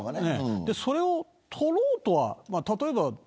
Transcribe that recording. それを撮ろうとは。